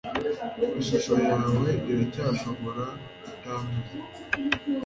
Ishusho yawe iracyashoboka kutanduza